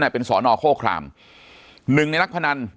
ปากกับภาคภูมิ